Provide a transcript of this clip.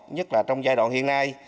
nhất là trong giai đoạn hiện nay